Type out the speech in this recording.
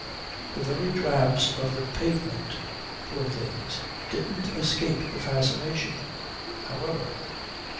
The very drabs of the pavement, poor things, didn't escape the fascination ... However!